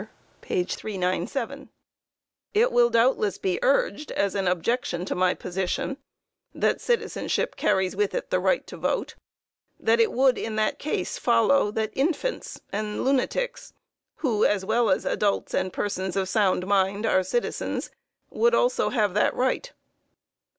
397._) It will doubtless be urged as an objection to my position (that citizenship carries with it the right to vote) that it would, in that case, follow that infants and lunatics, who, as well as adults and persons of sound mind, are citizens, would also have that right.